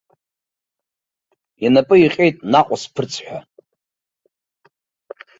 Инапы иҟьеит наҟ усԥырҵ ҳәа.